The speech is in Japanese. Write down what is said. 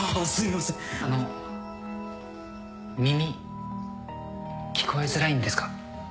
あの耳聞こえづらいんですか？